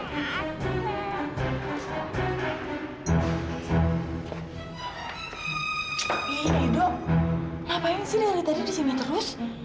ngapain sih neli tadi di sini terus